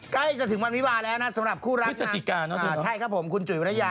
ใกล้จะถึงวันวิวาแล้วนะสำหรับคู่รักใช่ครับผมคุณจุ๋ยวรยา